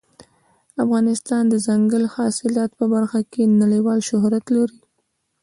افغانستان د دځنګل حاصلات په برخه کې نړیوال شهرت لري.